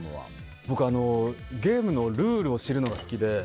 僕はゲームのルールを知るのが好きで。